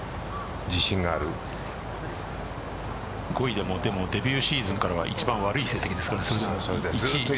５位でもデビューシーズンからは一番悪い成績ですからね。